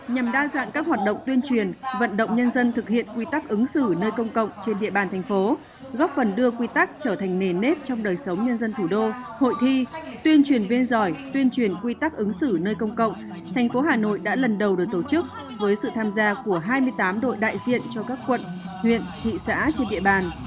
nhằm đa dạng các hoạt động tuyên truyền vận động nhân dân thực hiện quy tắc ứng xử nơi công cộng trên địa bàn thành phố góp phần đưa quy tắc trở thành nền nếp trong đời sống nhân dân thủ đô hội thi tuyên truyền viên giỏi tuyên truyền quy tắc ứng xử nơi công cộng thành phố hà nội đã lần đầu được tổ chức với sự tham gia của hai mươi tám đội đại diện cho các quận huyện thị xã trên địa bàn